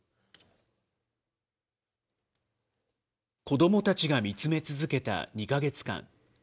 子どもたちが見つめ続けた２か月間。